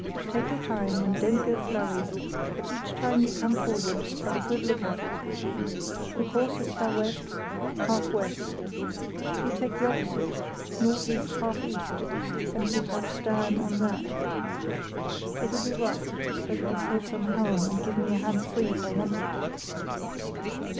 "Take your time, and don't get flurried, but each time you come forward have a good look at it. The course is sou' west half west. You take the opposite, north east half east, and keep her stern on that. It'll be rough, but it'll save some helm, and give me a hand free if I want it."